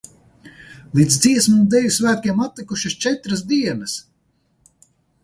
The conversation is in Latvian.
Līdz Dziesmu un Deju svētkiem atlikušas četras dienas!